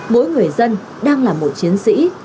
mỗi người dân đang là một chiến sĩ